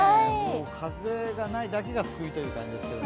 風がないだけが救いという感じですけれども。